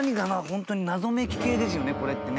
ホントに謎めき系ですよねこれってね。